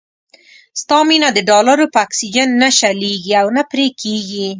ستا مينه د ډالرو په اکسيجن نه شلېږي او نه پرې کېږي.